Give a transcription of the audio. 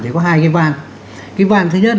thì có hai cái van cái van thứ nhất